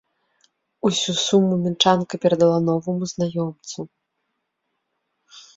Усю суму мінчанка перадала новаму знаёмцу.